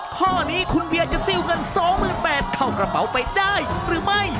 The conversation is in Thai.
ข้อนี้คุณเวียจะซิลเงิน๒๘๐๐เข้ากระเป๋าไปได้หรือไม่